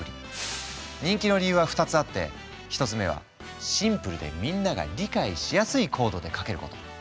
人気の理由は２つあって１つ目はシンプルでみんなが理解しやすいコードで書けること。